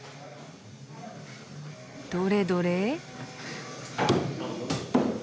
どれどれ？